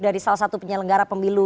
dari salah satu penyelenggara pemilu